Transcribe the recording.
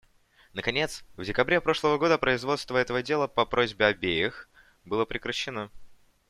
Наконец, в декабре прошлого года производство этого дела по просьбе обеих было прекращено.